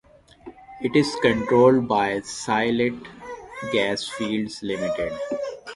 It is controlled by Sylhet Gas Fields Limited.